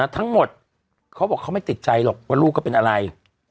ทั้งหมดเขาบอกเขาไม่ติดใจหรอกว่าลูกเขาเป็นอะไร